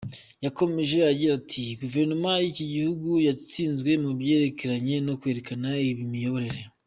Yakomeje agira ati “ Guverinoma y’iki gihugu yatsinzwe mu byerekeranye no kwerekana imiyoborere.